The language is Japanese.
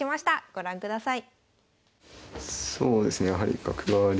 ご覧ください。